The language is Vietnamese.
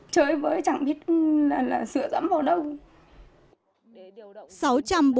chơi với chẳng biết là sửa dẫm vào đâu